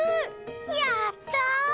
やった！